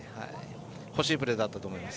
惜しいプレーだったと思います。